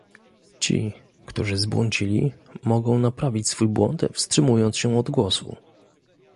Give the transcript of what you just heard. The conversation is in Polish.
Ci, którzy zbłądzili, mogą naprawić swój błąd, wstrzymując się od głosu